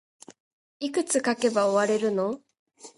いくつ書けば終われるの